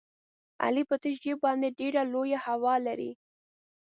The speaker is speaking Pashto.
علي په تش جېب باندې ډېره لویه هوا لري.